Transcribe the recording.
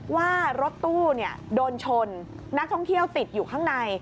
ว่ารถตู้โดนชนนักท่องเที่ยวติดอยู่ข้างใน